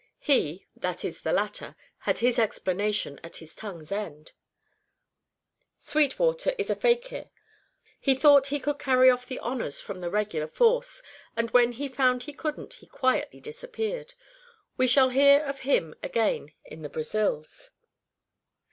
He, that is the latter, had his explanation at his tongue's end: "Sweetwater is a fakir. He thought he could carry off the honours from the regular force, and when he found he couldn't he quietly disappeared. We shall hear of him again in the Brazils."